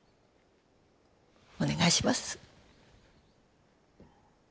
お願いします